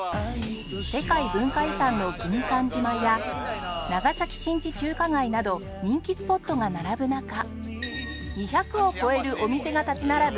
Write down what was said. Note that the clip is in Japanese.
世界文化遺産の軍艦島や長崎新地中華街など人気スポットが並ぶ中２００を超えるお店が立ち並ぶ